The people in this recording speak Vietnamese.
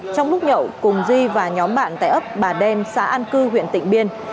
trong lúc nhậu cùng duy và nhóm bạn tại ấp bà đen xã an cư huyện tịnh biên